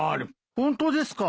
ホントですか？